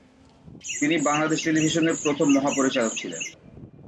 তিনি বাংলাদেশ টেলিভিশনের প্রথম মহাপরিচালক ছিলেন।